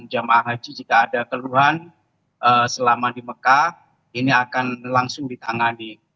jemaah haji jika ada keluhan selama di mekah ini akan langsung ditangani